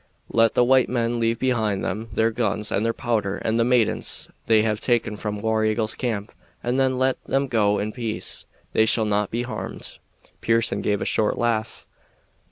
"Let the white men leave behind them their guns and their powder and the maidens they have taken from War Eagle's camp; then let them go in peace. They shall not be harmed." Pearson gave a short laugh.